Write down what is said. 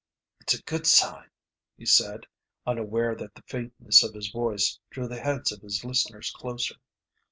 "It's a good sign," he said, unaware that the faintness of his voice drew the heads of his listeners closer.